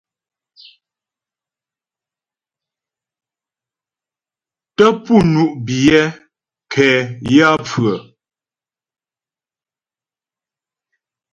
Tə́ pú ŋú' biyɛ nkɛ yaə́pfʉə́'ə.